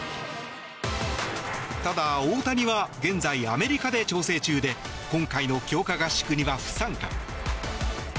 ただ、大谷は現在、アメリカで調整中で今回の強化合宿には不参加。